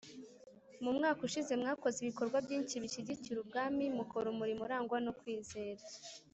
Mu mwaka ushize mwakoze ibikorwa byinshi bishyigikira Ubwami mukora umurimo urangwa no kwizera